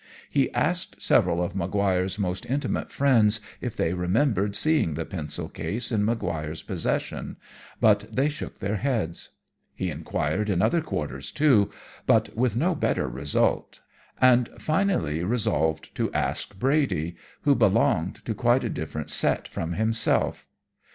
He asked several of Maguire's most intimate friends if they remembered seeing the pencil case in Maguire's possession, but they shook their heads. He enquired in other quarters, too, but with no better result, and finally resolved to ask Brady, who belonged to quite a different set from himself.